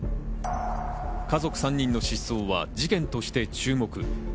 家族３人の失踪は事件として注目。